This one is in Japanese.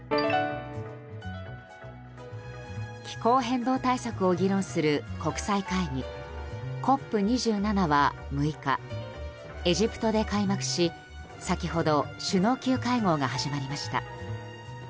気候変動対策を議論する国際会議・ＣＯＰ２７は６日エジプトで開幕し、先ほど首脳級会合が始まりました。